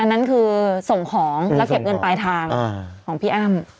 นั่นคือส่งของแล้วเก็บเงินปลายทางของพี่อ้ำ